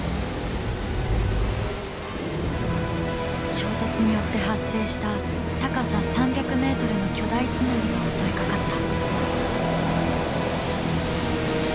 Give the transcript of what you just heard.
衝突によって発生した高さ３００ｍの巨大津波が襲いかかった。